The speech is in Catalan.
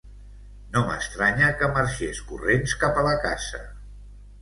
No m'estranya que marxés corrents cap a la casa.